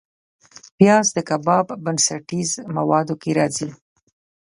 پیاز د کباب بنسټیز موادو کې راځي